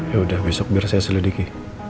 yaudah besok biar saya selidiki